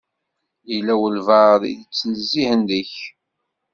Yella walebɛaḍ i d-ittnezzihen deg-k.